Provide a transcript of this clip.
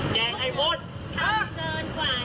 ไม่ได้กำลังไท่